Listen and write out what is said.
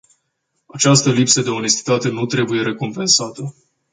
Această lipsă de onestitate nu trebuie recompensată.